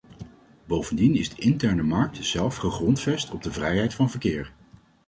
Bovendien is de interne markt zelf gegrondvest op de vrijheid van verkeer.